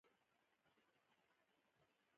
افغانستان د آب وهوا له پلوه ډېر متنوع هېواد دی.